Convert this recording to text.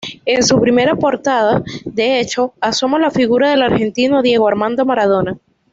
En su primera portada, de hecho, asoma la figura del argentino Diego Armando Maradona.